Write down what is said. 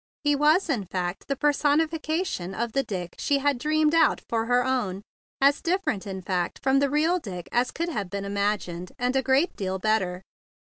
He was, in fact, the personification of the Dick she had dreamed out for her own, as different in fact from the real Dick as could have been imagined, and a great deal better.